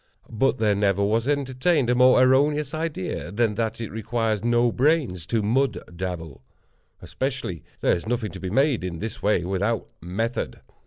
But there never was entertained a more erroneous idea than that it requires no brains to mud dabble. Especially, there is nothing to be made in this way without method.